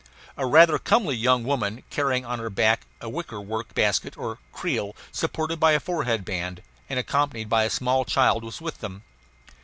A rather comely young woman, carrying on her back a wickerwork basket, or creel, supported by a forehead band, and accompanied by a small child, was with them.